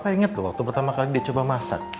papa inget loh waktu pertama kali dia coba masak